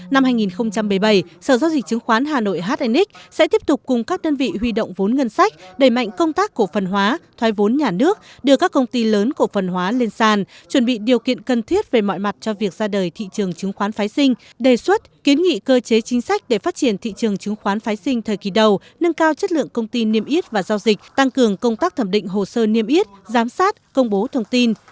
năm hai nghìn một mươi bảy sở giao dịch chứng khoán hà nội hnx sẽ tiếp tục cùng các đơn vị huy động vốn ngân sách đẩy mạnh công tác cổ phần hóa thoái vốn nhà nước đưa các công ty lớn cổ phần hóa lên sàn chuẩn bị điều kiện cần thiết về mọi mặt cho việc ra đời thị trường chứng khoán phái sinh đề xuất kiến nghị cơ chế chính sách để phát triển thị trường chứng khoán phái sinh thời kỳ đầu nâng cao chất lượng công ty niêm yết và giao dịch tăng cường công tác thẩm định hồ sơ niêm yết giám sát công bố thông tin